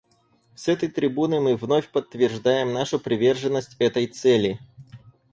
С этой трибуны мы вновь подтверждаем нашу приверженность этой цели.